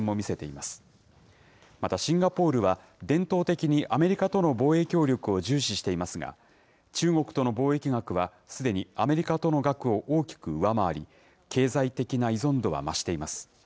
また、シンガポールは、伝統的にアメリカとの防衛協力を重視していますが、中国との貿易額はアメリカとの額を大きく上回り、経済的な依存度は増しています。